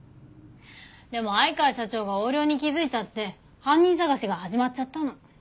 でも相川社長が横領に気づいちゃって犯人捜しが始まっちゃったの。